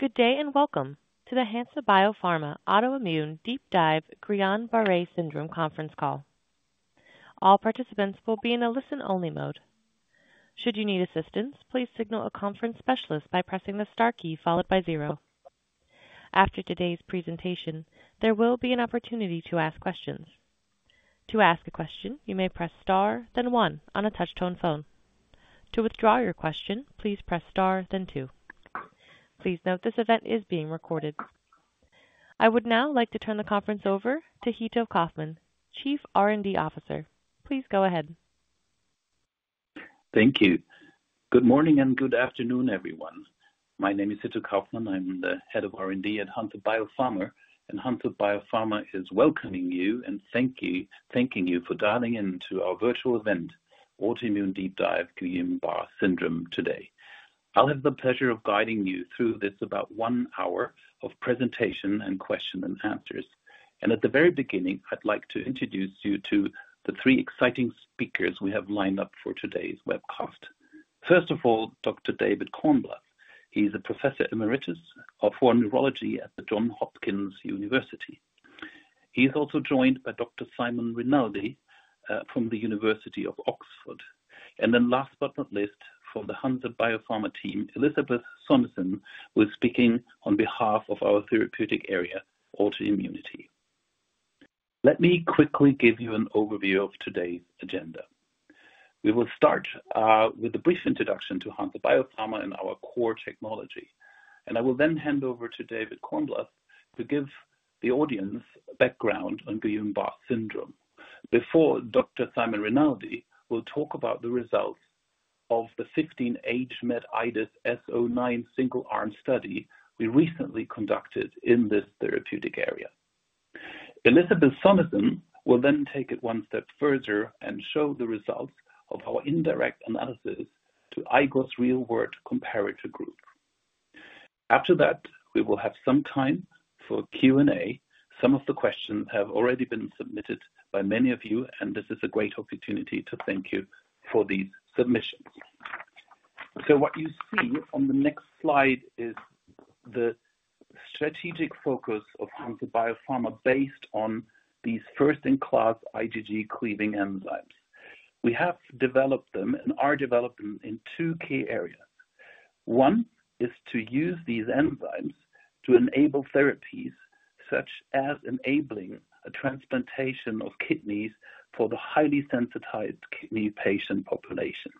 Good day and welcome to the Hansa Biopharma Autoimmune Deep Dive Guillain-Barré Syndrome conference call. All participants will be in a listen-only mode. Should you need assistance, please signal a conference specialist by pressing the star key followed by zero. After today's presentation, there will be an opportunity to ask questions. To ask a question, you may press star, then one on a touch-tone phone. To withdraw your question, please press star, then two. Please note this event is being recorded. I would now like to turn the conference over to Hitto Kaufmann, Chief R&D Officer. Please go ahead. Thank you. Good morning and good afternoon, everyone. My name is Hitto Kaufmann. I'm the head of R&D at Hansa Biopharma, and Hansa Biopharma is welcoming you and thanking you for dialing in to our virtual event, Autoimmune Deep Dive Guillain-Barré Syndrome today. I'll have the pleasure of guiding you through this about one hour of presentation and questions and answers. At the very beginning, I'd like to introduce you to the three exciting speakers we have lined up for today's webcast. First of all, Dr. David Cornblath. He's a professor emeritus of neurology at Johns Hopkins University. He's also joined by Dr. Simon Rinaldi from the University of Oxford. Last but not least, from the Hansa Biopharma team, Elisabeth Sonesson will be speaking on behalf of our therapeutic area, autoimmunity. Let me quickly give you an overview of today's agenda. We will start with a brief introduction to Hansa Biopharma and our core technology. I will then hand over to David Cornblath to give the audience background on Guillain-Barré Syndrome. Before Dr. Simon Rinaldi will talk about the results of the 15H-MetIDAS S09 single-arm study we recently conducted in this therapeutic area, Elisabeth Sonesson will then take it one step further and show the results of our indirect analysis to IGOS real-world comparator group. After that, we will have some time for Q&A. Some of the questions have already been submitted by many of you, and this is a great opportunity to thank you for these submissions. What you see on the next slide is the strategic focus of Hansa Biopharma based on these first-in-class IgG cleaving enzymes. We have developed them and are developing in two key areas. One is to use these enzymes to enable therapies such as enabling a transplantation of kidneys for the highly sensitized kidney patient population.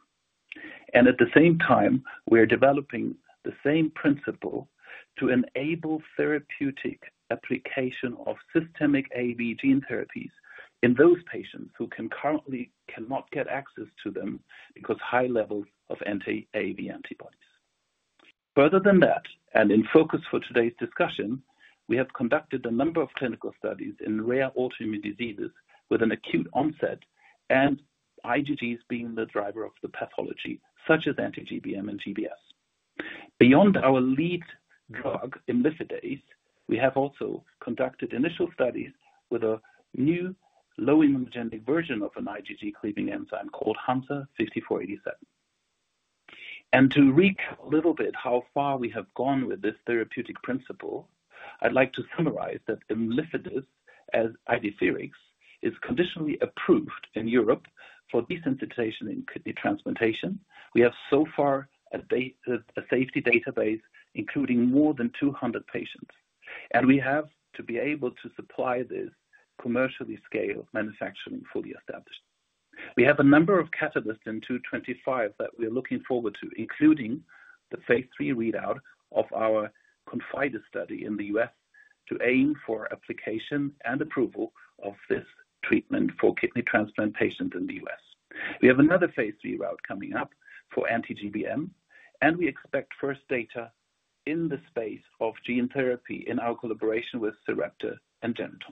At the same time, we are developing the same principle to enable therapeutic application of systemic AAV gene therapies in those patients who currently cannot get access to them because of high levels of anti-AAV antibodies. Further than that, and in focus for today's discussion, we have conducted a number of clinical studies in rare autoimmune diseases with an acute onset and IgGs being the driver of the pathology, such as anti-GBM and GBS. Beyond our lead drug, imlifidase, we have also conducted initial studies with a new low-immunogenic version of an IgG cleaving enzyme called HNSA-5487. To read a little bit how far we have gone with this therapeutic principle, I'd like to summarize that Immifidase, as Idefirix, is conditionally approved in Europe for desensitization in kidney transplantation. We have so far a safety database including more than 200 patients. We have been able to supply this commercially scaled manufacturing fully established. We have a number of catalysts in 2025 that we are looking forward to, including the phase III readout of our ConfideR study in the U.S. to aim for application and approval of this treatment for kidney transplant patients in the U.S. We have another phase III readout coming up for anti-GBM, and we expect first data in the space of gene therapy in our collaboration with Sarepta and Genethon.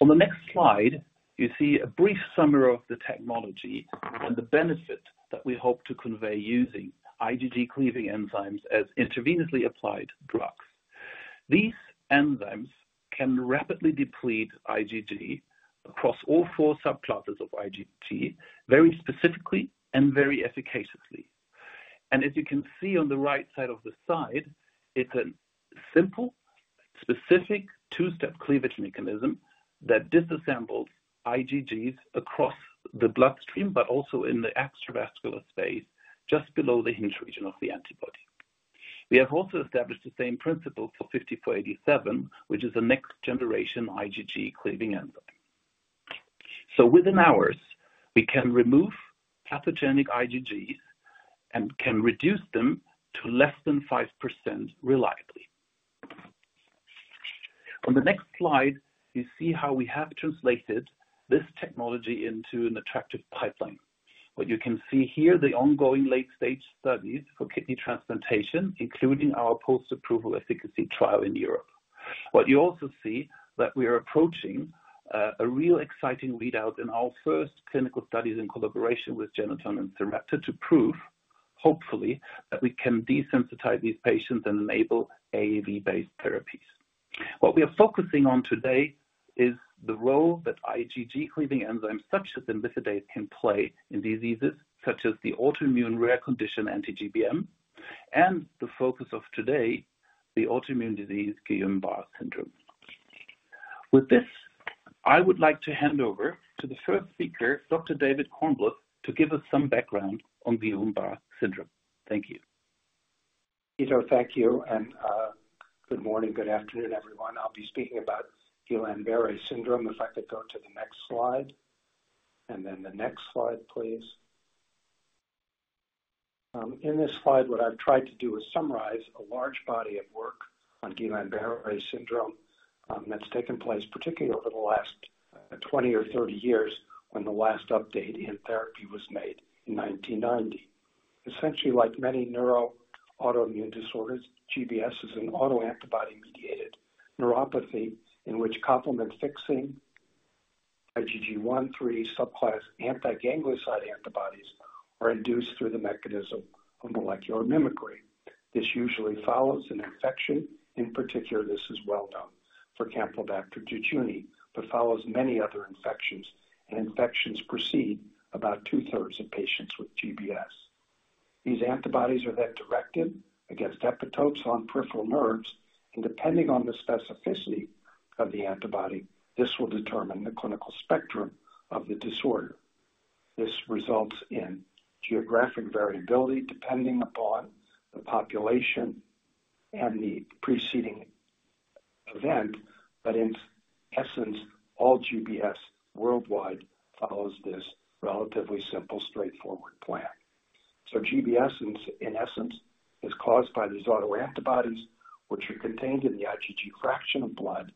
On the next slide, you see a brief summary of the technology and the benefit that we hope to convey using IgG cleaving enzymes as intravenously applied drugs. These enzymes can rapidly deplete IgG across all four subclasses of IgG, very specifically and very efficaciously. As you can see on the right side of the slide, it's a simple, specific two-step cleavage mechanism that disassembles IgGs across the bloodstream, but also in the extravascular space just below the hinge region of the antibody. We have also established the same principle for 5487, which is a next-generation IgG cleaving enzyme. Within hours, we can remove pathogenic IgGs and can reduce them to less than 5% reliably. On the next slide, you see how we have translated this technology into an attractive pipeline. What you can see here, the ongoing late-stage studies for kidney transplantation, including our post-approval efficacy trial in Europe. What you also see is that we are approaching a real exciting readout in our first clinical studies in collaboration with Genethon and Sarepta to prove, hopefully, that we can desensitize these patients and enable AAV-based therapies. What we are focusing on today is the role that IgG cleaving enzymes such as imlifidase can play in diseases such as the autoimmune rare condition anti-GBM and the focus of today, the autoimmune disease Guillain-Barré Syndrome. With this, I would like to hand over to the first speaker, Dr. David Cornblath, to give us some background on Guillain-Barré Syndrome. Thank you. Thank you. Good morning, good afternoon, everyone. I'll be speaking about Guillain-Barré Syndrome. If I could go to the next slide. Next slide, please. In this slide, what I've tried to do is summarize a large body of work on Guillain-Barré Syndrome that's taken place particularly over the last 20 or 30 years when the last update in therapy was made in 1990. Essentially, like many neuro autoimmune disorders, GBS is an autoantibody-mediated neuropathy in which complement-fixing IgG1-3 subclass antiganglioside antibodies are induced through the mechanism of molecular mimicry. This usually follows an infection. In particular, this is well known for Campylobacter jejuni, but follows many other infections. Infections precede about two-thirds of patients with GBS. These antibodies are then directed against epitopes on peripheral nerves. Depending on the specificity of the antibody, this will determine the clinical spectrum of the disorder. This results in geographic variability depending upon the population and the preceding event. In essence, all GBS worldwide follows this relatively simple, straightforward plan. GBS, in essence, is caused by these autoantibodies, which are contained in the IgG fraction of blood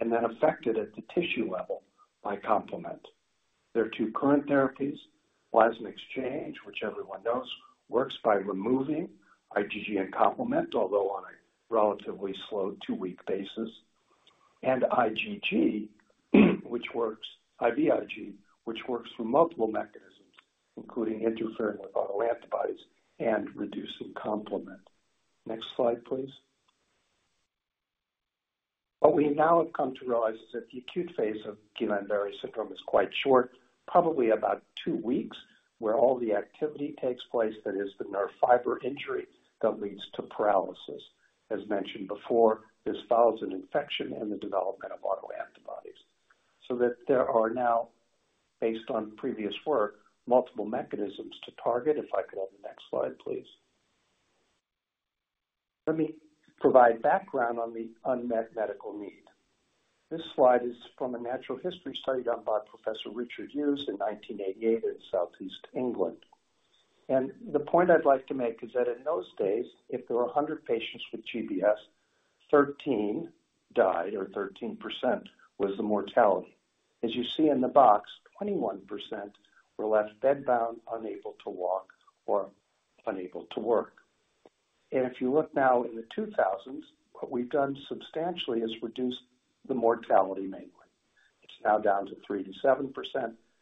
and then affected at the tissue level by complement. There are two current therapies: plasma exchange, which everyone knows works by removing IgG and complement, although on a relatively slow two-week basis, and IgG, which works—IVIG, which works through multiple mechanisms, including interfering with autoantibodies and reducing complement. Next slide, please. What we now have come to realize is that the acute phase of Guillain-Barré Syndrome is quite short, probably about two weeks, where all the activity takes place that is the nerve fiber injury that leads to paralysis. As mentioned before, this follows an infection and the development of autoantibodies. There are now, based on previous work, multiple mechanisms to target. If I could have the next slide, please. Let me provide background on the unmet medical need. This slide is from a natural history study done by Professor Richard Hughes in 1988 in Southeast England. The point I'd like to make is that in those days, if there were 100 patients with GBS, 13 died, or 13% was the mortality. As you see in the box, 21% were left bedbound, unable to walk, or unable to work. If you look now in the 2000s, what we've done substantially is reduce the mortality mainly. It's now down to 3%-7%,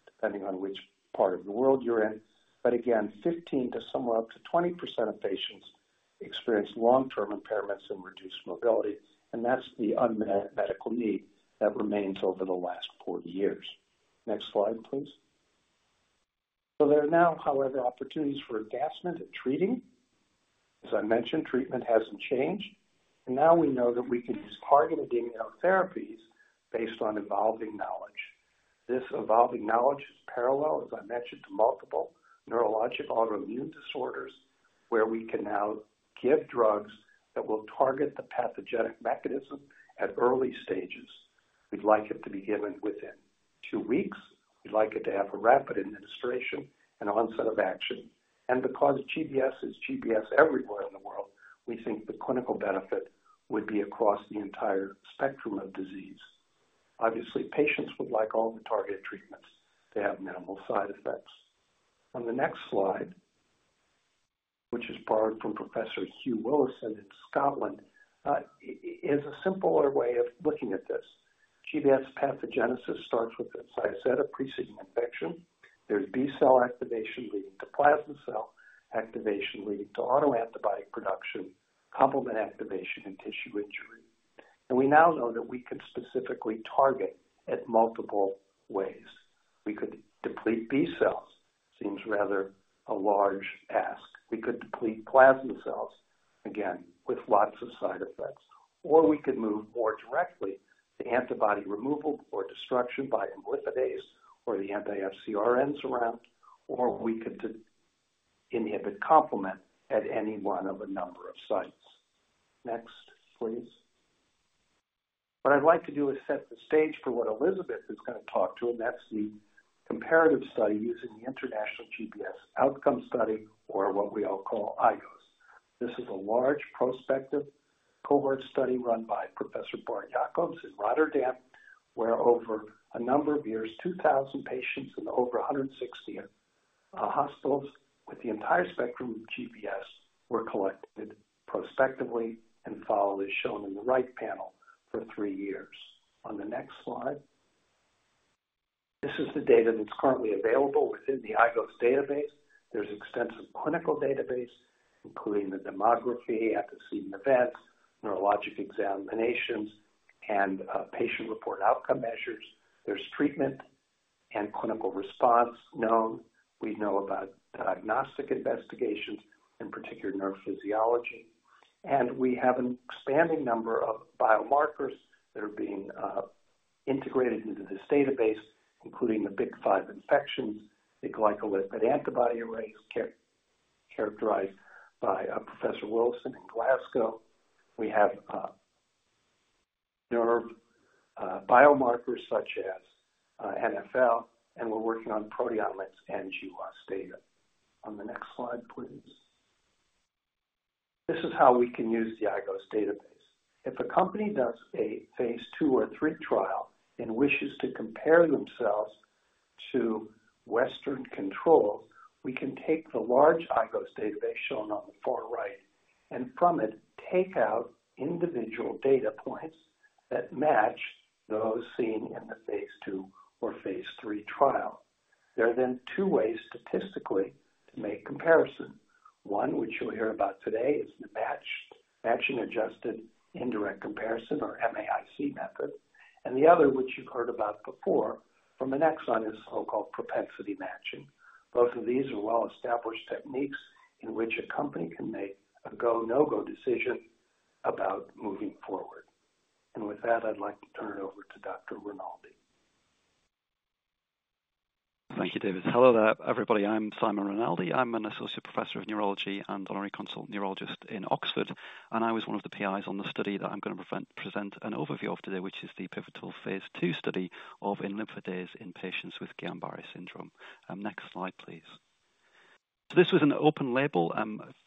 depending on which part of the world you're in. Again, 15%-20% of patients experience long-term impairments and reduced mobility. That's the unmet medical need that remains over the last 40 years. Next slide, please. There are now, however, opportunities for advancement in treating. As I mentioned, treatment hasn't changed. Now we know that we can use targeted immunotherapies based on evolving knowledge. This evolving knowledge is parallel, as I mentioned, to multiple neurologic autoimmune disorders, where we can now give drugs that will target the pathogenic mechanism at early stages. We'd like it to be given within two weeks. We'd like it to have a rapid administration and onset of action. Because GBS is GBS everywhere in the world, we think the clinical benefit would be across the entire spectrum of disease. Obviously, patients would like all the targeted treatments to have minimal side effects. On the next slide, which is borrowed from Professor Hugh Willison in Scotland, is a simpler way of looking at this. GBS pathogenesis starts with a set of preceding infection. There is B-cell activation leading to plasma cell activation leading to autoantibody production, complement activation, and tissue injury. We now know that we can specifically target it multiple ways. We could deplete B-cells. Seems rather a large ask. We could deplete plasma cells, again, with lots of side effects. We could move more directly to antibody removal or destruction by Immifidase or the anti-FCRNs around. We could inhibit complement at any one of a number of sites. Next, please. What I would like to do is set the stage for what Elisabeth is going to talk to. That is the comparative study using the International GBS Outcome Study, or what we all call IGOS. This is a large prospective cohort study run by Professor Bart Jacobs in Rotterdam, where over a number of years, 2,000 patients in over 160 hospitals with the entire spectrum of GBS were collected prospectively and followed, as shown in the right panel, for three years. On the next slide. This is the data that's currently available within the IGOS database. There's extensive clinical database, including the demography, antecedent events, neurologic examinations, and patient report outcome measures. There's treatment and clinical response known. We know about diagnostic investigations, in particular nerve physiology. And we have an expanding number of biomarkers that are being integrated into this database, including the big five infections, the glycolipid antibody arrays, characterized by Professor Willison in Glasgow. We have nerve biomarkers such as NFL, and we're working on proteomics and GWAS data. On the next slide, please. This is how we can use the IGOS database. If a company does a phase II or III trial and wishes to compare themselves to Western controls, we can take the large IGOS database shown on the far right and from it take out individual data points that match those seen in the phase II or phase III trial. There are then two ways statistically to make comparison. One, which you'll hear about today, is the matching-adjusted indirect comparison, or MAIC method. The other, which you've heard about before from the next slide, is so-called propensity matching. Both of these are well-established techniques in which a company can make a go/no-go decision about moving forward. With that, I'd like to turn it over to Dr. Rinaldi. Thank you, David. Hello, everybody. I'm Simon Rinaldi. I'm an associate professor of neurology and honorary consultant neurologist in Oxford. I was one of the PIs on the study that I'm going to present an overview of today, which is the pivotal phase II study of Immifidase in patients with Guillain-Barré Syndrome. Next slide, please. This was an open-label,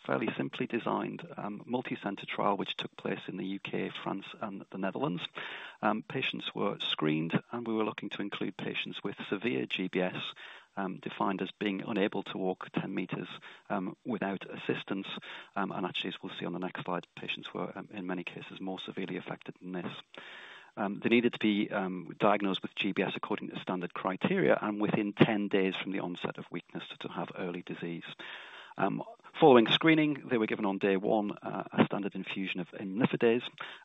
fairly simply designed multicenter trial, which took place in the U.K., France, and the Netherlands. Patients were screened, and we were looking to include patients with severe GBS defined as being unable to walk 10 meters without assistance. Actually, as we'll see on the next slide, patients were, in many cases, more severely affected than this. They needed to be diagnosed with GBS according to standard criteria and within 10 days from the onset of weakness to have early disease. Following screening, they were given on day one a standard infusion of Immifidase.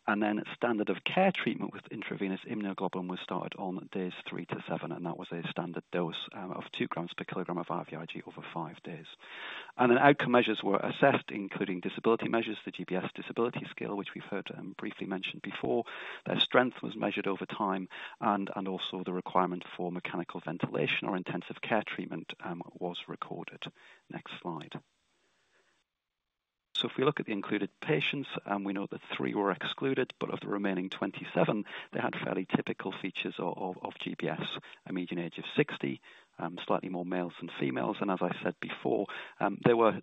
Then standard of care treatment with intravenous immunoglobulin was started on days three to seven. That was a standard dose of 2 g per kg of IVIG over five days. Outcome measures were assessed, including disability measures, the GBS Disability Scale, which we've heard briefly mentioned before. Their strength was measured over time. Also, the requirement for mechanical ventilation or intensive care treatment was recorded. Next slide. If we look at the included patients, we know that three were excluded. Of the remaining 27, they had fairly typical features of GBS, a median age of 60, slightly more males than females. As I said before, they were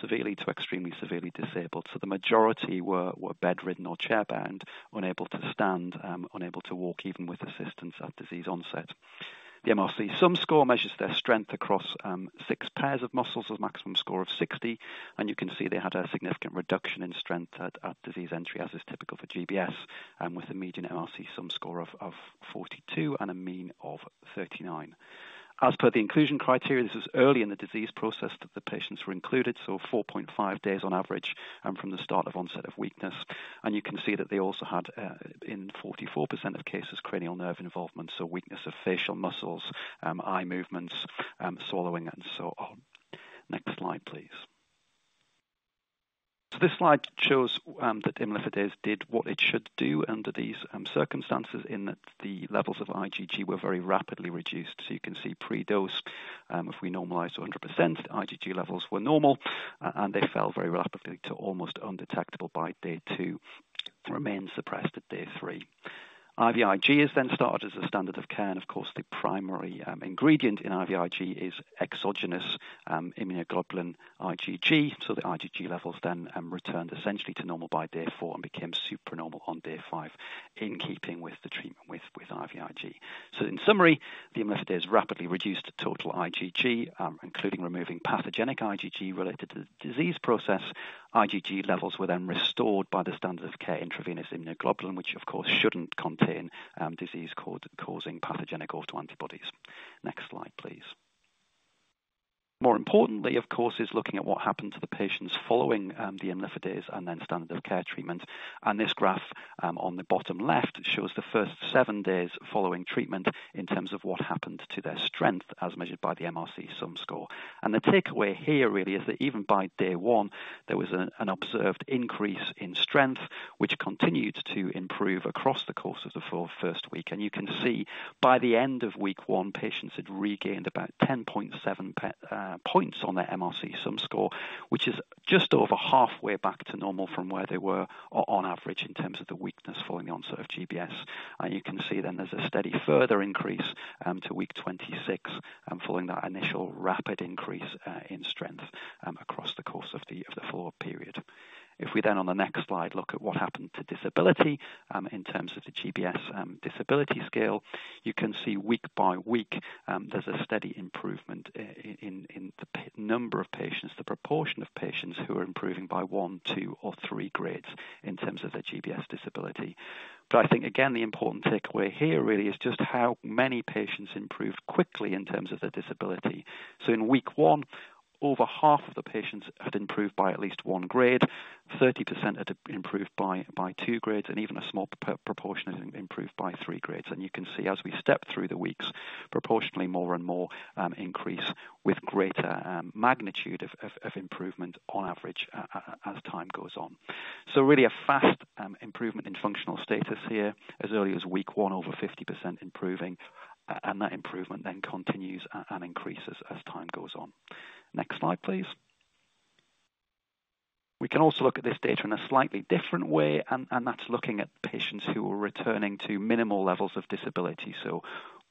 severely to extremely severely disabled. The majority were bedridden or chair-bound, unable to stand, unable to walk even with assistance at disease onset. The MRC sum score measures their strength across six pairs of muscles with a maximum score of 60. You can see they had a significant reduction in strength at disease entry, as is typical for GBS, with a median MRC sum score of 42 and a mean of 39. As per the inclusion criteria, this was early in the disease process that the patients were included, so 4.5 days on average from the start of onset of weakness. You can see that they also had, in 44% of cases, cranial nerve involvement, so weakness of facial muscles, eye movements, swallowing, and so on. Next slide, please. This slide shows that Immifidase did what it should do under these circumstances in that the levels of IgG were very rapidly reduced. You can see pre-dose, if we normalize to 100%, the IgG levels were normal. They fell very rapidly to almost undetectable by day two, remained suppressed at day three. IV Ig is then started as a standard of care. Of course, the primary ingredient in IV Ig is exogenous immunoglobulin IgG. The IgG levels then returned essentially to normal by day four and became supernormal on day five, in keeping with the treatment with IV Ig. In summary, the Immifidase rapidly reduced total IgG, including removing pathogenic IgG related to the disease process. IgG levels were then restored by the standard of care intravenous immunoglobulin, which, of course, should not contain disease-causing pathogenic autoantibodies. Next slide, please. More importantly, of course, is looking at what happened to the patients following the Immifidase and then standard of care treatment. This graph on the bottom left shows the first seven days following treatment in terms of what happened to their strength as measured by the MRC sum score. The takeaway here really is that even by day one, there was an observed increase in strength, which continued to improve across the course of the first week. You can see by the end of week one, patients had regained about 10.7 points on their MRC sum score, which is just over halfway back to normal from where they were on average in terms of the weakness following the onset of GBS. You can see then there is a steady further increase to week 26 following that initial rapid increase in strength across the course of the follow-up period. If we then on the next slide look at what happened to disability in terms of the GBS Disability Scale, you can see week by week, there is a steady improvement in the number of patients, the proportion of patients who are improving by one, two, or three grades in terms of their GBS disability. I think, again, the important takeaway here really is just how many patients improved quickly in terms of their disability. In week one, over half of the patients had improved by at least one grade. 30% had improved by two grades. Even a small proportion had improved by three grades. You can see as we step through the weeks, proportionally more and more increase with greater magnitude of improvement on average as time goes on. Really a fast improvement in functional status here, as early as week one, over 50% improving. That improvement then continues and increases as time goes on. Next slide, please. We can also look at this data in a slightly different way. That's looking at patients who are returning to minimal levels of disability, so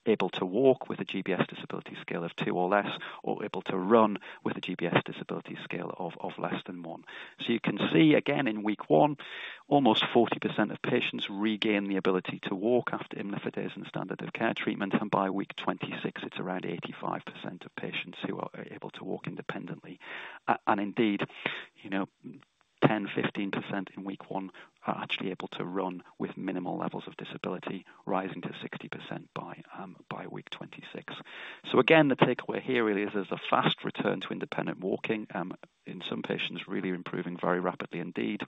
able to walk with a GBS Disability Scale of two or less, or able to run with a GBS Disability Scale of less than one. You can see, again, in week one, almost 40% of patients regain the ability to walk after Immifidase and standard of care treatment. By week 26, it's around 85% of patients who are able to walk independently. Indeed, 10%-15% in week one are actually able to run with minimal levels of disability, rising to 60% by week 26. The takeaway here really is there is a fast return to independent walking. In some patients, really improving very rapidly indeed.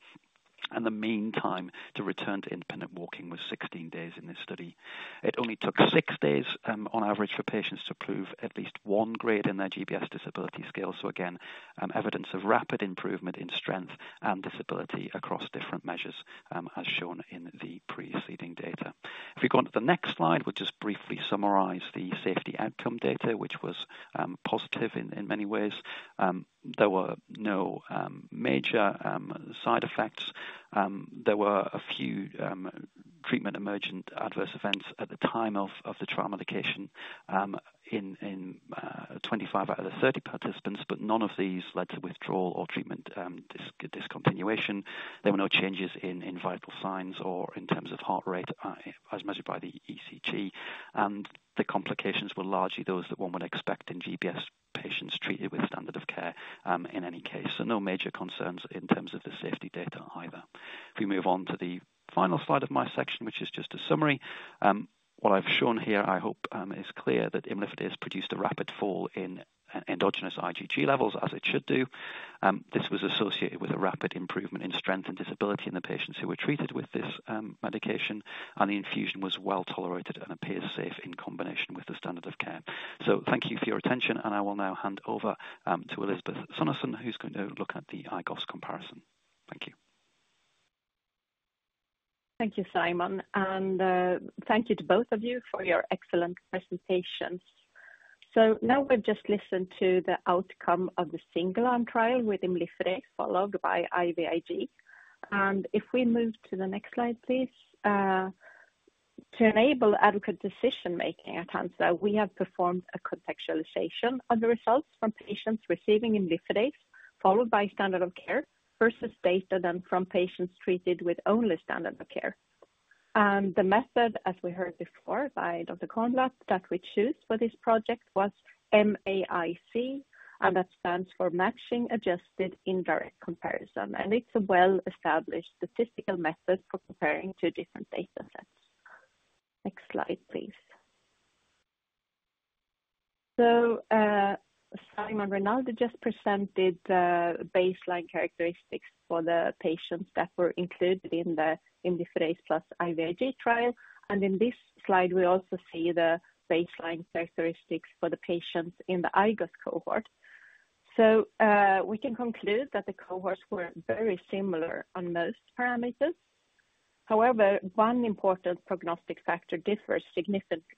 The mean time to return to independent walking was 16 days in this study. It only took six days on average for patients to improve at least one grade in their GBS Disability Scale. Again, evidence of rapid improvement in strength and disability across different measures, as shown in the preceding data. If we go on to the next slide, we'll just briefly summarize the safety outcome data, which was positive in many ways. There were no major side effects. There were a few treatment emergent adverse events at the time of the trial medication in 25 out of the 30 participants. None of these led to withdrawal or treatment discontinuation. There were no changes in vital signs or in terms of heart rate as measured by the ECG. The complications were largely those that one would expect in GBS patients treated with standard of care in any case. No major concerns in terms of the safety data either. If we move on to the final slide of my section, which is just a summary. What I have shown here, I hope, is clear that imlifidase produced a rapid fall in endogenous IgG levels, as it should do. This was associated with a rapid improvement in strength and disability in the patients who were treated with this medication. The infusion was well tolerated and appears safe in combination with the standard of care. Thank you for your attention. I will now hand over to Elisabeth Sonesson, who's going to look at the IGOS comparison. Thank you. Thank you, Simon. And thank you to both of you for your excellent presentations. Now we've just listened to the outcome of the single-arm trial with Immifidase, followed by IVIG. If we move to the next slide, please. To enable adequate decision-making at Hansa, we have performed a contextualization of the results from patients receiving Immifidase, followed by standard of care, versus data from patients treated with only standard of care. The method, as we heard before by Dr. Cornblath, that we chose for this project was MAIC. That stands for matching-adjusted indirect comparison. It is a well-established statistical method for comparing two different data sets. Next slide, please. Simon Rinaldi just presented baseline characteristics for the patients that were included in the Immifidase plus IVIG trial. In this slide, we also see the baseline characteristics for the patients in the IGOS cohort. We can conclude that the cohorts were very similar on most parameters. However, one important prognostic factor differs significantly.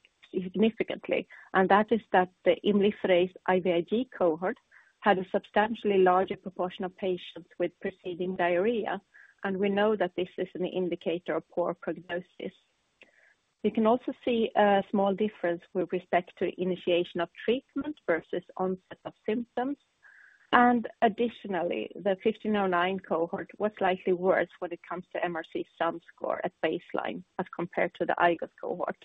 That is that the Immifidase IVIG cohort had a substantially larger proportion of patients with preceding diarrhea. We know that this is an indicator of poor prognosis. You can also see a small difference with respect to initiation of treatment versus onset of symptoms. Additionally, the 1509 cohort was slightly worse when it comes to MRC sum score at baseline as compared to the IGOS cohort.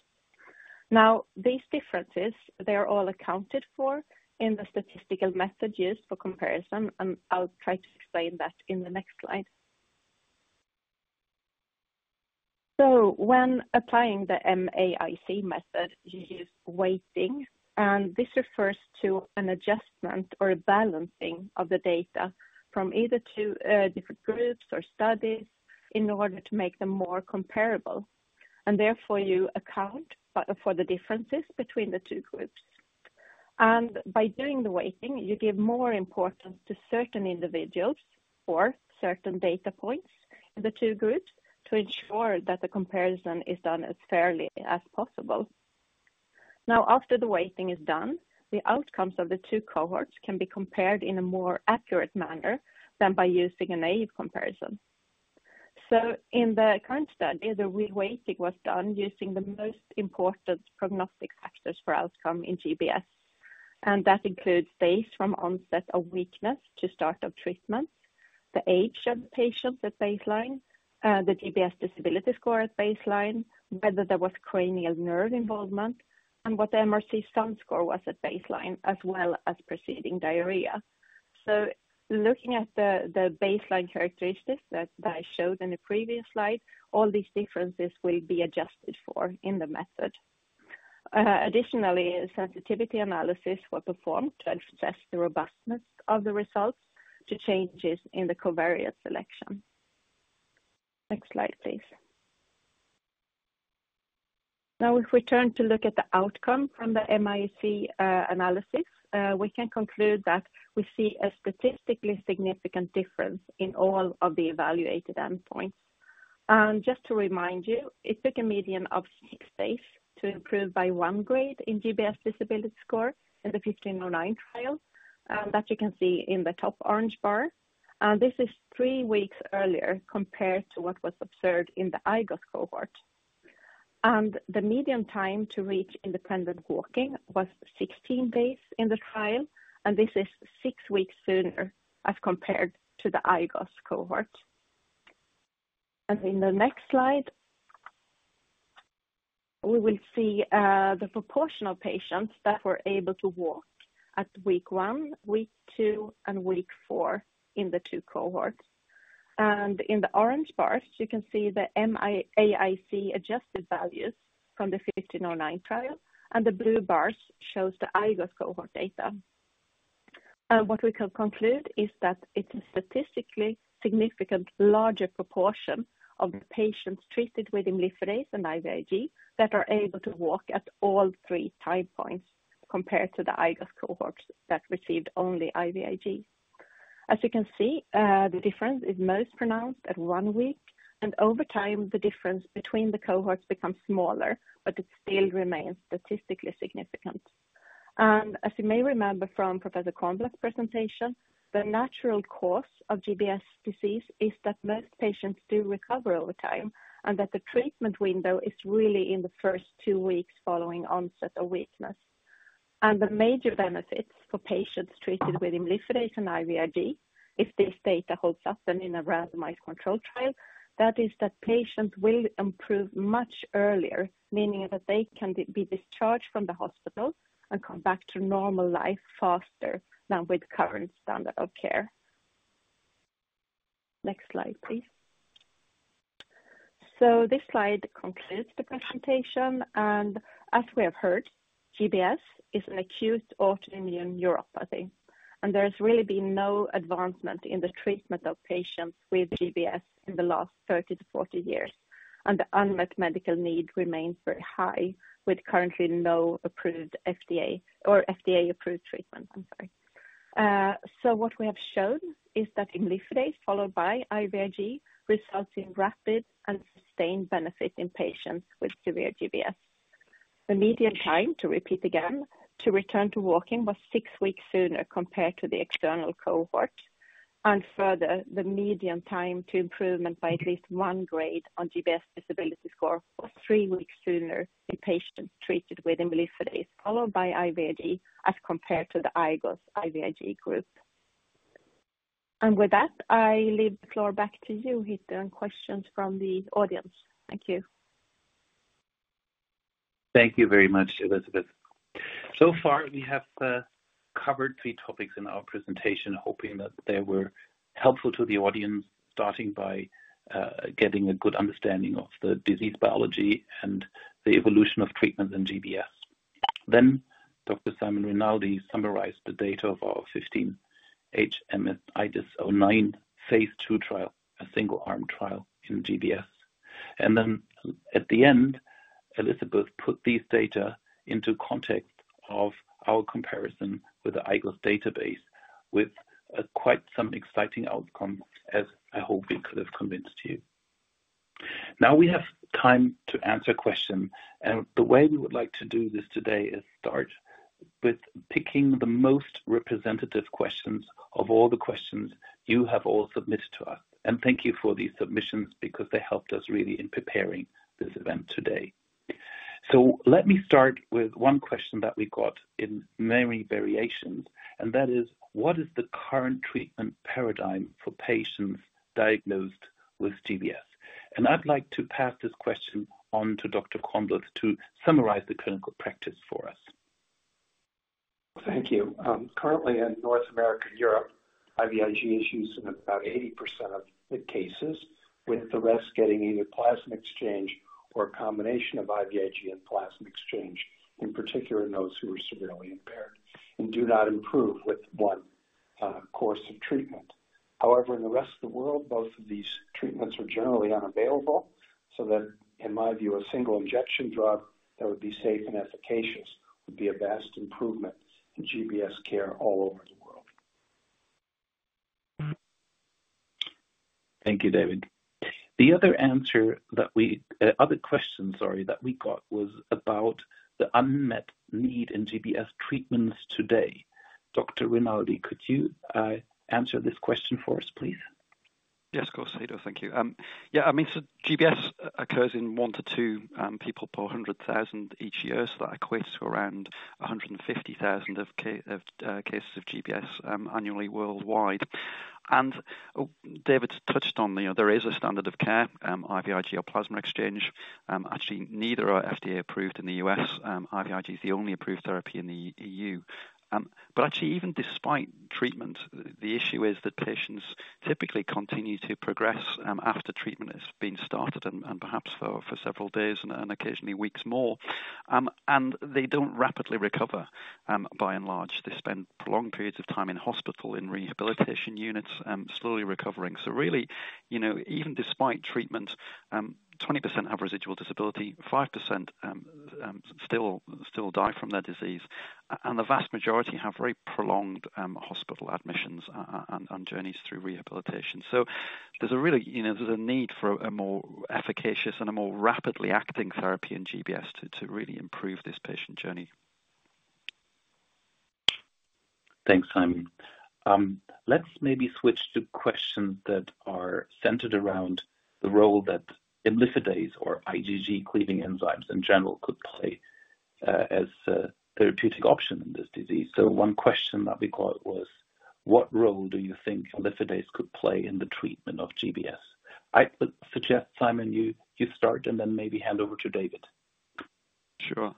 These differences, they are all accounted for in the statistical method used for comparison. I'll try to explain that in the next slide. When applying the MAIC method, you use weighting. This refers to an adjustment or a balancing of the data from either two different groups or studies in order to make them more comparable. Therefore, you account for the differences between the two groups. By doing the weighting, you give more importance to certain individuals or certain data points in the two groups to ensure that the comparison is done as fairly as possible. Now, after the weighting is done, the outcomes of the two cohorts can be compared in a more accurate manner than by using a naive comparison. In the current study, the reweighting was done using the most important prognostic factors for outcome in GBS. That includes days from onset of weakness to start of treatment, the age of the patients at baseline, the GBS disability score at baseline, whether there was cranial nerve involvement, and what the MRC sum score was at baseline, as well as preceding diarrhea. Looking at the baseline characteristics that I showed in the previous slide, all these differences will be adjusted for in the method. Additionally, sensitivity analyses were performed to assess the robustness of the results to changes in the covariate selection. Next slide, please. Now, if we turn to look at the outcome from the MAIC analysis, we can conclude that we see a statistically significant difference in all of the evaluated endpoints. Just to remind you, it took a median of six days to improve by one grade in GBS disability score in the 1509 trial. You can see that in the top orange bar. This is three weeks earlier compared to what was observed in the IGOS cohort. The median time to reach independent walking was 16 days in the trial. This is six weeks sooner as compared to the IGOS cohort. In the next slide, we will see the proportion of patients that were able to walk at week one, week two, and week four in the two cohorts. In the orange bars, you can see the MAIC adjusted values from the 1509 trial. The blue bars show the IGOS cohort data. What we can conclude is that it is a statistically significant larger proportion of the patients treated with Immifidase and IVIG that are able to walk at all three time points compared to the IGOS cohorts that received only IVIG. As you can see, the difference is most pronounced at one week. Over time, the difference between the cohorts becomes smaller, but it still remains statistically significant. As you may remember from Professor Cornblath's presentation, the natural course of GBS disease is that most patients do recover over time and that the treatment window is really in the first two weeks following onset of weakness. The major benefits for patients treated with Immifidase and IVIG, if this data holds up in a randomized control trial, is that patients will improve much earlier, meaning that they can be discharged from the hospital and come back to normal life faster than with current standard of care. Next slide, please. This slide concludes the presentation. As we have heard, GBS is an acute autoimmune neuropathy. There has really been no advancement in the treatment of patients with GBS in the last 30 to 40 years. The unmet medical need remains very high, with currently no FDA-approved treatment. I'm sorry. What we have shown is that Immifidase followed by IV Ig results in rapid and sustained benefit in patients with severe GBS. The median time, to repeat again, to return to walking was six weeks sooner compared to the external cohort. Further, the median time to improvement by at least one grade on the GBS Disability Scale was three weeks sooner in patients treated with Immifidase followed by IV Ig as compared to the IGOS IV Ig group. With that, I leave the floor back to you, Hitto. Questions from the audience. Thank you. Thank you very much, Elisabeth. So far, we have covered three topics in our presentation, hoping that they were helpful to the audience, starting by getting a good understanding of the disease biology and the evolution of treatment in GBS. Then Dr. Simon Rinaldi summarized the data of our 15HMS IDAS09 phase II trial, a single-arm trial in GBS. At the end, Elisabeth put these data into context of our comparison with the IGOS database with quite some exciting outcomes, as I hope we could have convinced you. Now we have time to answer questions. The way we would like to do this today is start with picking the most representative questions of all the questions you have all submitted to us. Thank you for these submissions because they helped us really in preparing this event today. Let me start with one question that we got in many variations. That is, what is the current treatment paradigm for patients diagnosed with GBS? I'd like to pass this question on to Dr. Cornblath to summarize the clinical practice for us. Thank you. Currently, in North America and Europe, IVIG is used in about 80% of the cases, with the rest getting either plasma exchange or a combination of IVIG and plasma exchange, in particular in those who are severely impaired and do not improve with one course of treatment. However, in the rest of the world, both of these treatments are generally unavailable. So that, in my view, a single injection drug that would be safe and efficacious would be a vast improvement in GBS care all over the world. Thank you, David. The other questions that we got was about the unmet need in GBS treatments today. Dr. Rinaldi, could you answer this question for us, please? Yes, of course. Thank you. Yeah, I mean, so GBS occurs in one to two people per 100,000 each year. That equates to around 150,000 cases of GBS annually worldwide. David touched on, there is a standard of care, IVIG or plasma exchange. Actually, neither are FDA approved in the U.S. IVIG is the only approved therapy in the EU. Actually, even despite treatment, the issue is that patients typically continue to progress after treatment has been started, and perhaps for several days and occasionally weeks more. They do not rapidly recover, by and large. They spend prolonged periods of time in hospital, in rehabilitation units, slowly recovering. Really, even despite treatment, 20% have residual disability, 5% still die from their disease. The vast majority have very prolonged hospital admissions and journeys through rehabilitation. There's a really there's a need for a more efficacious and a more rapidly acting therapy in GBS to really improve this patient journey. Thanks, Simon. Let's maybe switch to questions that are centered around the role that Immifidase or IgG cleaving enzymes in general could play as a therapeutic option in this disease. One question that we got was, what role do you think Immifidase could play in the treatment of GBS? I would suggest, Simon, you start and then maybe hand over to David. Sure.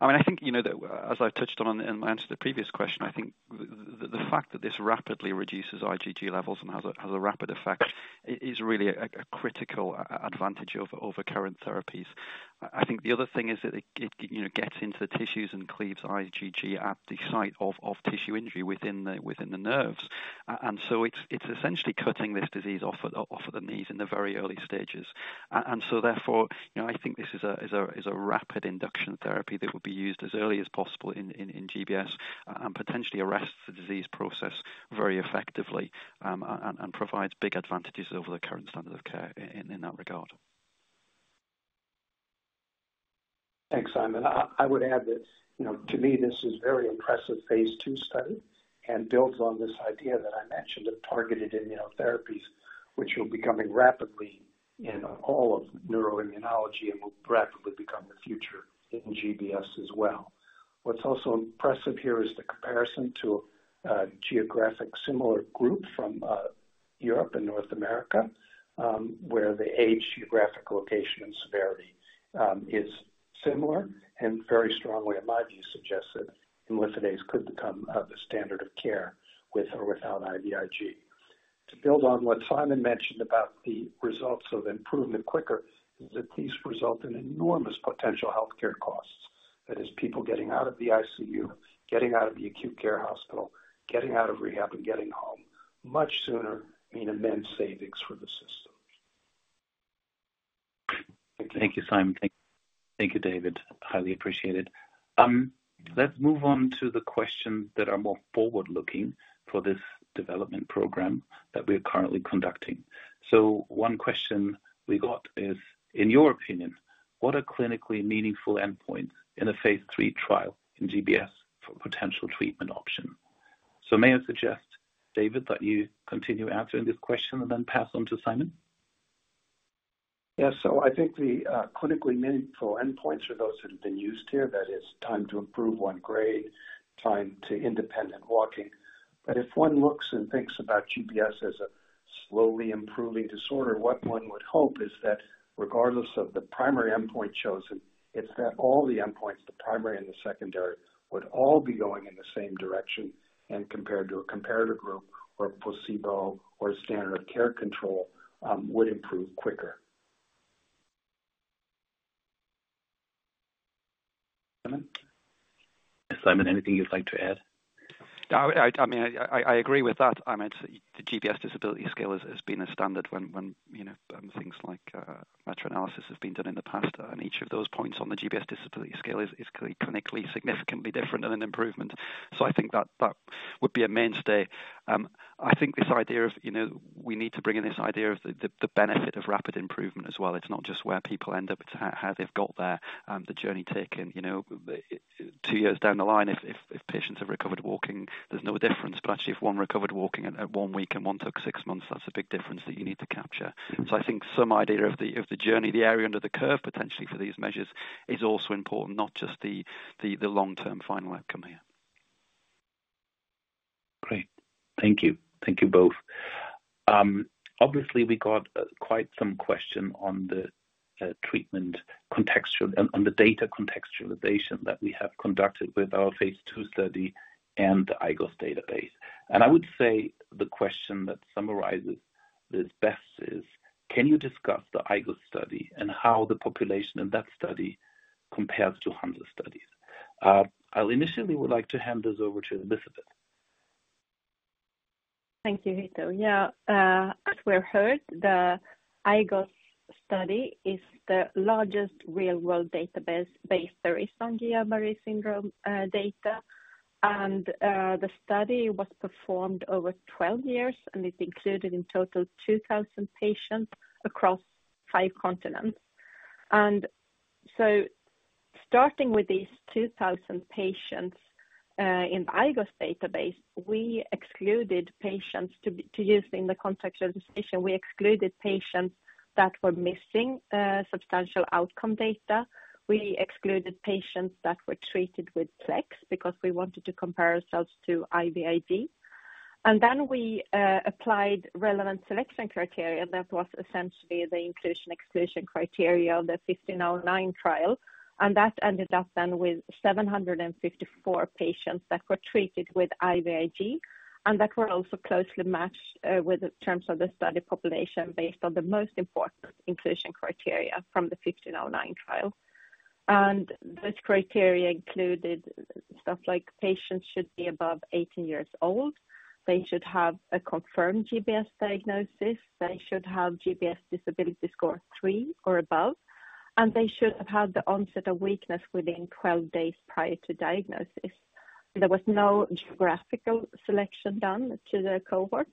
I mean, I think, as I've touched on in my answer to the previous question, I think the fact that this rapidly reduces IgG levels and has a rapid effect is really a critical advantage of current therapies. I think the other thing is that it gets into the tissues and cleaves IgG at the site of tissue injury within the nerves. It is essentially cutting this disease off at the knees in the very early stages. Therefore, I think this is a rapid induction therapy that would be used as early as possible in GBS and potentially arrests the disease process very effectively and provides big advantages over the current standard of care in that regard. Thanks, Simon. I would add that, to me, this is a very impressive phase II study and builds on this idea that I mentioned of targeted immunotherapies, which will be coming rapidly in all of neuroimmunology and will rapidly become the future in GBS as well. What's also impressive here is the comparison to a geographically similar group from Europe and North America, where the age, geographic location, and severity is similar and very strongly, in my view, suggests that Immifidase could become the standard of care with or without IVIG. To build on what Simon mentioned about the results of improvement quicker, is that these result in enormous potential healthcare costs. That is, people getting out of the ICU, getting out of the acute care hospital, getting out of rehab, and getting home much sooner mean immense savings for the system. Thank you, Simon. Thank you, David. Highly appreciated. Let's move on to the questions that are more forward-looking for this development program that we are currently conducting. One question we got is, in your opinion, what are clinically meaningful endpoints in a phase III trial in GBS for potential treatment option? May I suggest, David, that you continue answering this question and then pass on to Simon? Yes. I think the clinically meaningful endpoints are those that have been used here. That is, time to improve one grade, time to independent walking. If one looks and thinks about GBS as a slowly improving disorder, what one would hope is that regardless of the primary endpoint chosen, it's that all the endpoints, the primary and the secondary, would all be going in the same direction and compared to a comparator group or a placebo or a standard of care control would improve quicker. Simon, anything you'd like to add? I mean, I agree with that. I mean, the GBS Disability Scale has been a standard when things like meta-analysis have been done in the past. Each of those points on the GBS Disability Scale is clinically significantly different than an improvement. I think that would be a mainstay. I think this idea of we need to bring in this idea of the benefit of rapid improvement as well. It's not just where people end up, it's how they've got there, the journey taken. Two years down the line, if patients have recovered walking, there's no difference. Actually, if one recovered walking at one week and one took six months, that's a big difference that you need to capture. I think some idea of the journey, the area under the curve potentially for these measures is also important, not just the long-term final outcome here. Great. Thank you. Thank you both. Obviously, we got quite some questions on the treatment contextual and the data contextualization that we have conducted with our phase II study and the IGOS database. I would say the question that summarizes this best is, can you discuss the IGOS study and how the population in that study compares to Hansa's studies? I’ll initially would like to hand this over to Elisabeth. Thank you, Hitto. Yeah, as we've heard, the IGOS study is the largest real-world database based on Guillain-Barré syndrome data. The study was performed over 12 years, and it included in total 2,000 patients across five continents. Starting with these 2,000 patients in the IGOS database, we excluded patients to use in the context of the study. We excluded patients that were missing substantial outcome data. We excluded patients that were treated with PLEX because we wanted to compare ourselves to IVIG. We applied relevant selection criteria that was essentially the inclusion-exclusion criteria of the 1509 trial. That ended up then with 754 patients that were treated with IVIG and that were also closely matched with terms of the study population based on the most important inclusion criteria from the 1509 trial. Those criteria included stuff like patients should be above 18 years old. They should have a confirmed GBS diagnosis. They should have GBS Disability Scale score three or above. They should have had the onset of weakness within 12 days prior to diagnosis. There was no geographical selection done to the cohort.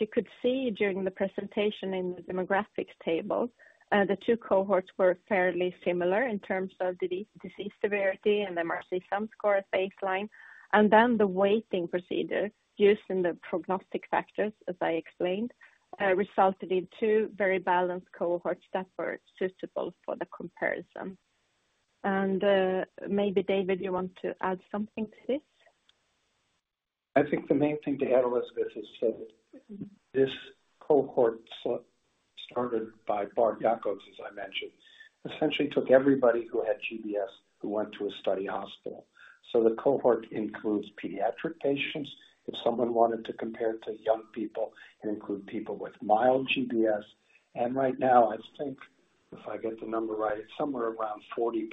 You could see during the presentation in the demographics table, the two cohorts were fairly similar in terms of disease severity and MRC Sum Score at baseline. The weighting procedure used in the prognostic factors, as I explained, resulted in two very balanced cohorts that were suitable for the comparison. Maybe, David, you want to add something to this? I think the main thing to add, Elisabeth, is that this cohort started by Bart Jacobs, as I mentioned, essentially took everybody who had GBS who went to a study hospital. The cohort includes pediatric patients. If someone wanted to compare to young people, it included people with mild GBS. Right now, I think, if I get the number right, it's somewhere around 40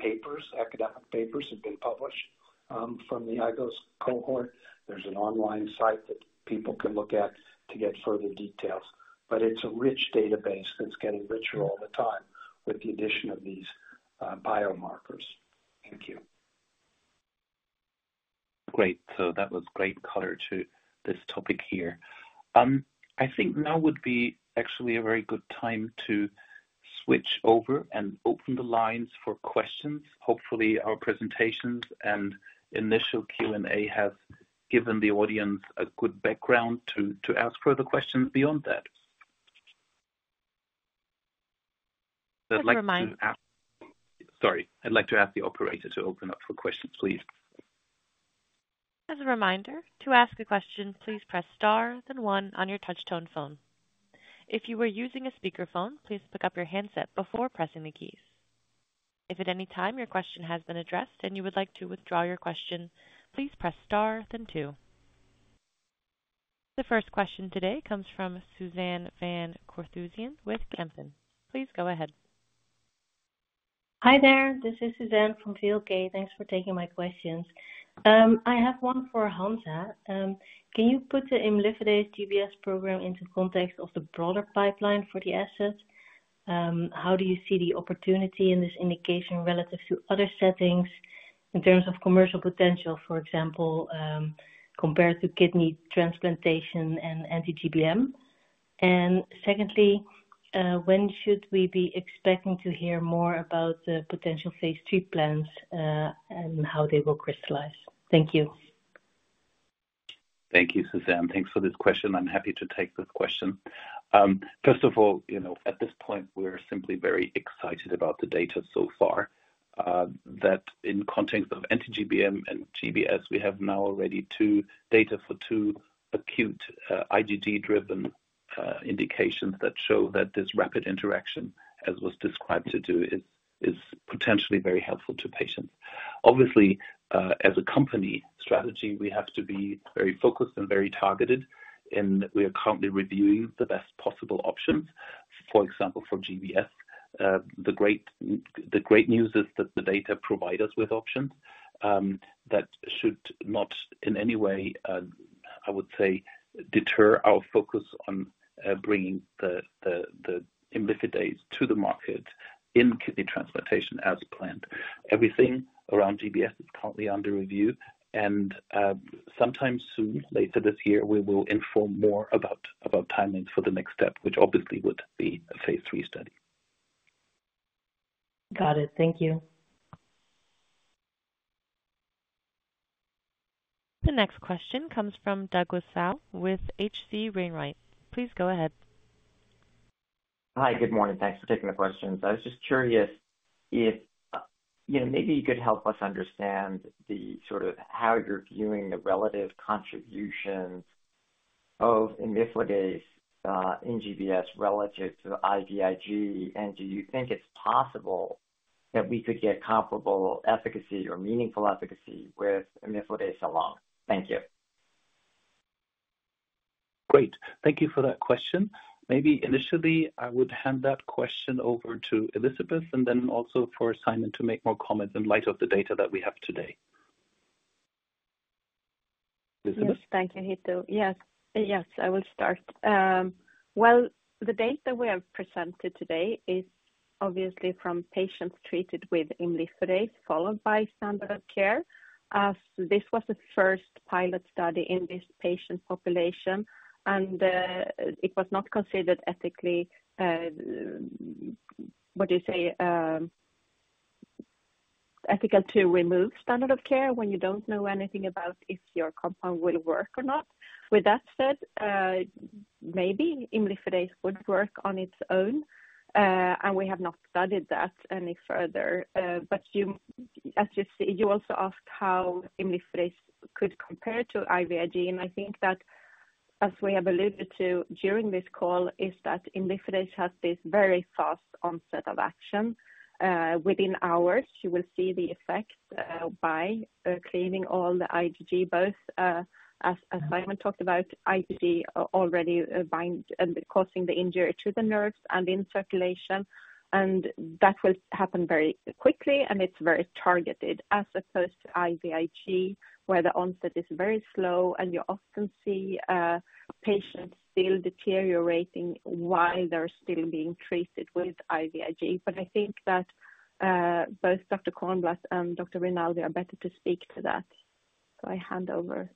academic papers have been published from the IGOS cohort. There's an online site that people can look at to get further details. It's a rich database that's getting richer all the time with the addition of these biomarkers. Thank you. Great. That was great color to this topic here. I think now would be actually a very good time to switch over and open the lines for questions. Hopefully, our presentations and initial Q&A have given the audience a good background to ask further questions beyond that. As a reminder. Sorry. I'd like to ask the operator to open up for questions, please. As a reminder, to ask a question, please press star, then one on your touch-tone phone. If you are using a speakerphone, please pick up your handset before pressing the keys. If at any time your question has been addressed and you would like to withdraw your question, please press star, then two. The first question today comes from Suzanne. Please go ahead. Hi there. This is Suzanne from FieldGate. Thanks for taking my questions. I have one for Hansa. Can you put the Immifidase GBS program into context of the broader pipeline for the asset? How do you see the opportunity in this indication relative to other settings in terms of commercial potential, for example, compared to kidney transplantation and anti-GBM? Secondly, when should we be expecting to hear more about the potential phase III plans and how they will crystallize? Thank you. Thank you, Suzanne. Thanks for this question. I'm happy to take this question. First of all, at this point, we're simply very excited about the data so far that in context of anti-GBM and GBS, we have now already data for two acute IgG-driven indications that show that this rapid interaction, as was described to do, is potentially very helpful to patients. Obviously, as a company strategy, we have to be very focused and very targeted. We are currently reviewing the best possible options. For example, for GBS, the great news is that the data provide us with options that should not in any way, I would say, deter our focus on bringing the Immifidase to the market in kidney transplantation as planned. Everything around GBS is currently under review. Sometime soon, later this year, we will inform more about timings for the next step, which obviously would be a phase III study. Got it. Thank you. The next question comes from Douglas Tsao with H.C. Wainwright. Please go ahead. Hi, good morning. Thanks for taking the questions. I was just curious if maybe you could help us understand the sort of how you're viewing the relative contributions of Immifidase in GBS relative to IVIG. And do you think it's possible that we could get comparable efficacy or meaningful efficacy with Immifidase alone? Thank you. Great. Thank you for that question. Maybe initially, I would hand that question over to Elisabeth and then also for Simon to make more comments in light of the data that we have today. Elisabeth? Thank you, Hitto. Yes. Yes, I will start. The data we have presented today is obviously from patients treated with Immifidase followed by standard of care. This was the first pilot study in this patient population. It was not considered ethical to remove standard of care when you do not know anything about if your compound will work or not. With that said, maybe Immifidase would work on its own. We have not studied that any further. As you see, you also asked how Immifidase could compare to IVIG. I think that, as we have alluded to during this call, Immifidase has this very fast onset of action. Within hours, you will see the effect by cleaning all the IgG, both, as Simon talked about, IgG already causing the injury to the nerves and in circulation. That will happen very quickly. It is very targeted as opposed to IVIG, where the onset is very slow. You often see patients still deteriorating while they are still being treated with IVIG. I think that both Dr. Cornblath and Dr. Rinaldi are better to speak to that. I hand over.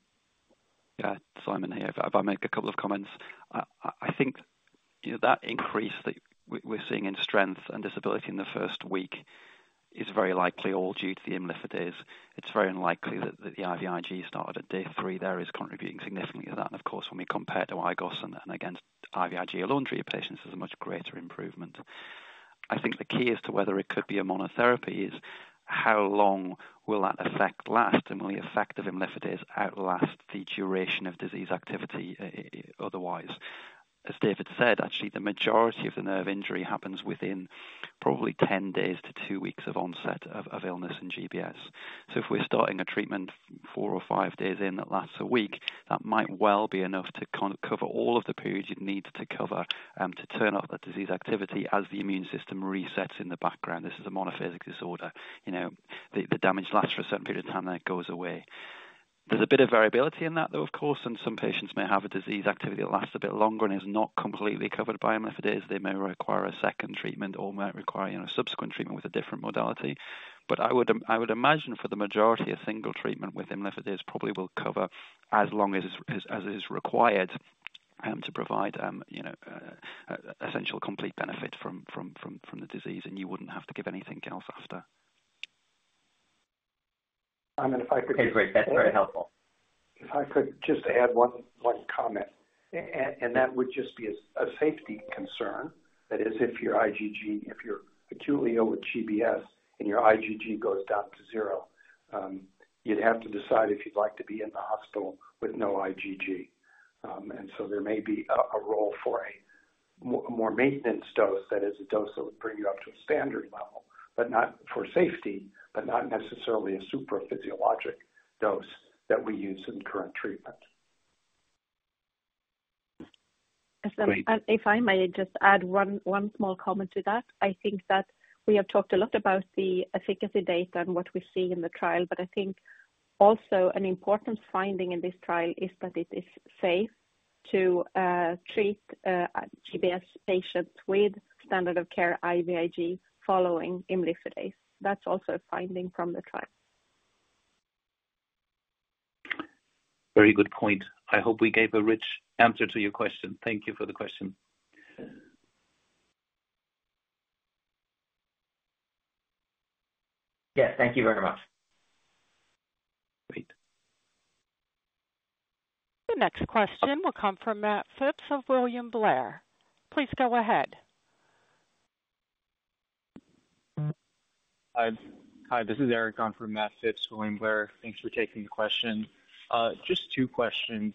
Yeah, Simon here. If I make a couple of comments, I think that increase that we're seeing in strength and disability in the first week is very likely all due to the Immifidase. It's very unlikely that the IVIG started at day three there is contributing significantly to that. Of course, when we compare to IGOS and against IVIG alone treated patients, there's a much greater improvement. I think the key as to whether it could be a monotherapy is how long will that effect last? Will the effect of Immifidase outlast the duration of disease activity otherwise? As David said, actually, the majority of the nerve injury happens within probably 10 days to two weeks of onset of illness in GBS. If we're starting a treatment four or five days in that lasts a week, that might well be enough to cover all of the periods you'd need to cover to turn up the disease activity as the immune system resets in the background. This is a monophasic disorder. The damage lasts for a certain period of time, then it goes away. There's a bit of variability in that, though, of course. Some patients may have a disease activity that lasts a bit longer and is not completely covered by Immifidase. They may require a second treatment or may require a subsequent treatment with a different modality. I would imagine for the majority, a single treatment with Immifidase probably will cover as long as it is required to provide essential complete benefit from the disease. You wouldn't have to give anything else after. Simon, if I could. If I could just add one comment. That would just be a safety concern. That is, if your IgG, if you're acutely ill with GBS and your IgG goes down to zero, you'd have to decide if you'd like to be in the hospital with no IgG. There may be a role for a more maintenance dose, that is, a dose that would bring you up to a standard level, but not for safety, but not necessarily a super physiologic dose that we use in current treatment. If I may just add one small comment to that. I think that we have talked a lot about the efficacy data and what we see in the trial. I think also an important finding in this trial is that it is safe to treat GBS patients with standard of care IVIG following Immifidase. That is also a finding from the trial. Very good point. I hope we gave a rich answer to your question. Thank you for the question. Yes, thank you very much. Great. The next question will come from Matt Phipps of William Blair. Please go ahead. Hi. Hi, this is Eric Kahn from Matt Phipps William Blair. Thanks for taking the question. Just two questions.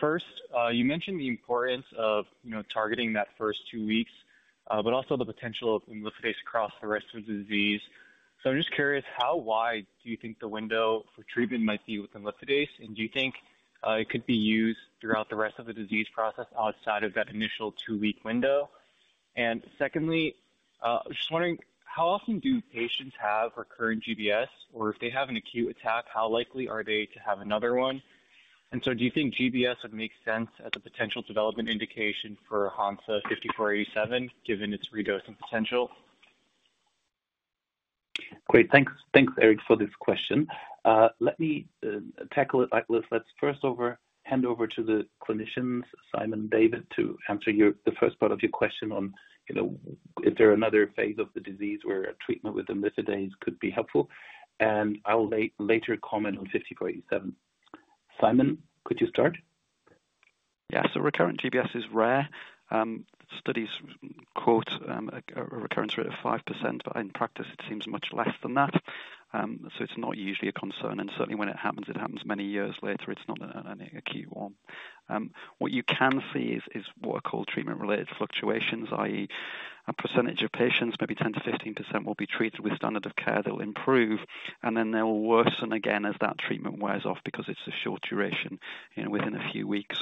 First, you mentioned the importance of targeting that first two weeks, but also the potential of Imlifidase across the rest of the disease. I'm just curious, how wide do you think the window for treatment might be with Imlifidase? Do you think it could be used throughout the rest of the disease process outside of that initial two-week window? Secondly, just wondering, how often do patients have recurring GBS? Or if they have an acute attack, how likely are they to have another one? Do you think GBS would make sense as a potential development indication for Hansa 5487 given its redosing potential? Great. Thanks, Eric, for this question. Let me tackle it like this. Let's first hand over to the clinicians, Simon and David, to answer the first part of your question on if there are another phase of the disease where a treatment with imlifidase could be helpful. I'll later comment on 5487. Simon, could you start? Yeah. So recurrent GBS is rare. Studies quote a recurrence rate of 5%. In practice, it seems much less than that. It's not usually a concern. Certainly, when it happens, it happens many years later. It's not an acute one. What you can see is what are called treatment-related fluctuations, i.e., a percentage of patients, maybe 10%-15%, will be treated with standard of care that will improve, and then they will worsen again as that treatment wears off because it's a short duration within a few weeks.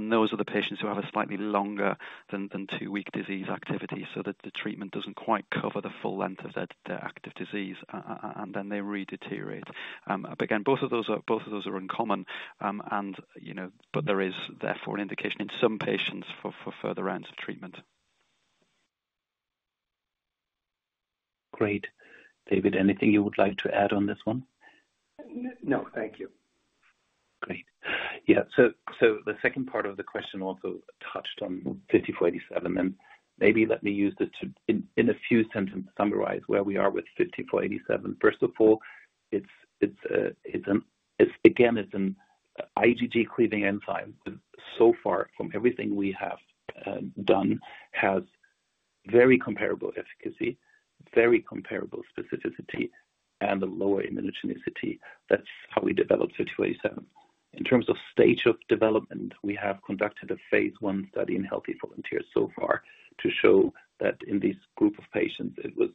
Those are the patients who have a slightly longer than two-week disease activity, so the treatment doesn't quite cover the full length of their active disease, and then they redeteriorate. Again, both of those are uncommon. There is therefore an indication in some patients for further rounds of treatment. Great. David, anything you would like to add on this one? No. Thank you. Great. Yeah. The second part of the question also touched on 5487. Maybe let me use this in a few sentences to summarize where we are with 5487. First of all, again, it's an IgG cleaving enzyme. So far, from everything we have done, has very comparable efficacy, very comparable specificity, and a lower immunogenicity. That's how we developed 5487. In terms of stage of development, we have conducted a phase I study in healthy volunteers so far to show that in this group of patients, it was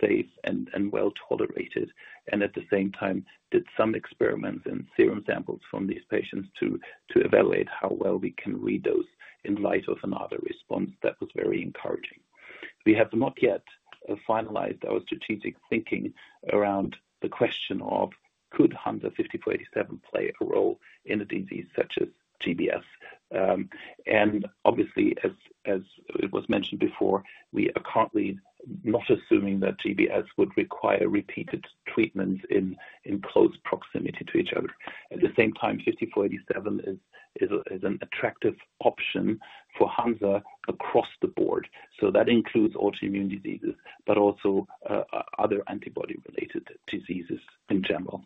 safe and well tolerated. At the same time, did some experiments in serum samples from these patients to evaluate how well we can redose in light of another response that was very encouraging. We have not yet finalized our strategic thinking around the question of could Hansa 5487 play a role in a disease such as GBS? Obviously, as it was mentioned before, we are currently not assuming that GBS would require repeated treatments in close proximity to each other. At the same time, 5487 is an attractive option for Hansa across the board. That includes autoimmune diseases, but also other antibody-related diseases in general.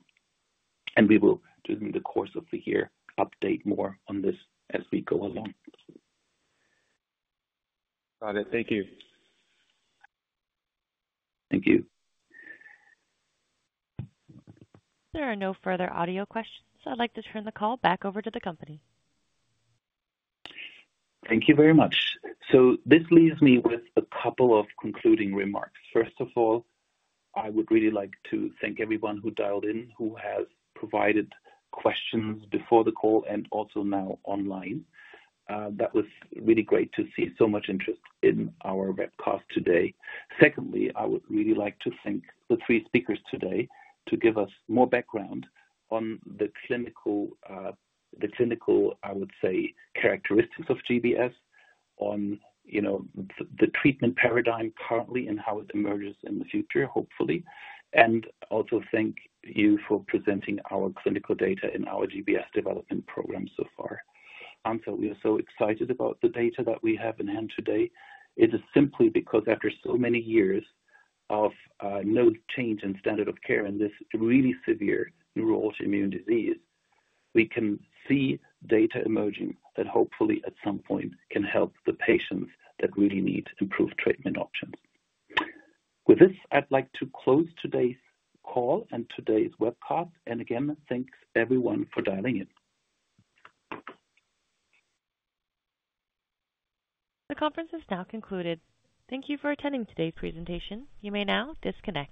We will, during the course of the year, update more on this as we go along. Got it. Thank you. Thank you. There are no further audio questions. I'd like to turn the call back over to the company. Thank you very much. This leaves me with a couple of concluding remarks. First of all, I would really like to thank everyone who dialed in, who has provided questions before the call and also now online. That was really great to see so much interest in our webcast today. Secondly, I would really like to thank the three speakers today to give us more background on the clinical, I would say, characteristics of GBS, on the treatment paradigm currently and how it emerges in the future, hopefully. I also thank you for presenting our clinical data in our GBS development program so far. Hansa, we are so excited about the data that we have in hand today. It is simply because after so many years of no change in standard of care in this really severe neuroautoimmune disease, we can see data emerging that hopefully at some point can help the patients that really need improved treatment options. With this, I'd like to close today's call and today's webcast. Again, thanks everyone for dialing in. The conference is now concluded. Thank you for attending today's presentation. You may now disconnect.